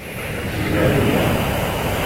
Tga aya.